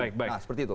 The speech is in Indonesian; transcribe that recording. nah seperti itu